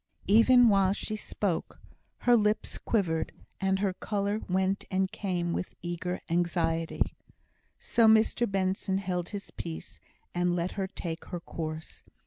Even while she spoke, her lips quivered, and her colour went and came with eager anxiety. So Mr Benson held his peace, and let her take her course.